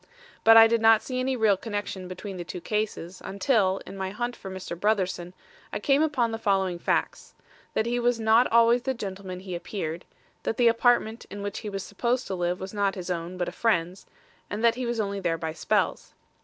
"But I did not see any real connection between the two cases, until, in my hunt for Mr. Brotherson, I came upon the following facts: that he was not always the gentleman he appeared: that the apartment in which he was supposed to live was not his own but a friend's; and that he was only there by spells.